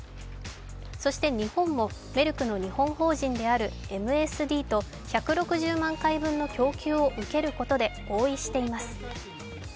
そして日本もメルクの日本法人であるＭＳＤと１６０万回分の供給を受けることで合意しています。